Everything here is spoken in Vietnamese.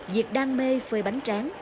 việc đan mê phơi bánh tráng